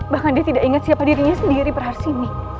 bahkan dia tidak ingat siapa dirinya sendiri praharsini